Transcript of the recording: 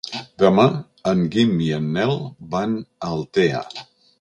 Demà en Guim i en Nel van a Altea.